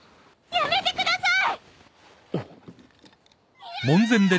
やめてください！